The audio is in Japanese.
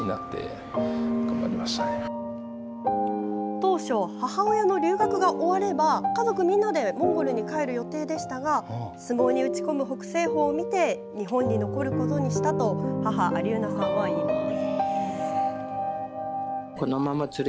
当初、母親の留学が終われば家族みんなでモンゴルに帰る予定でしたが相撲に打ち込む北青鵬を見て日本に残ることにしたと母アリューナさんは言います。